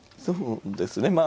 そうですね